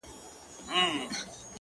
د خدای د عرش قهر د دواړو جهانونو زهر،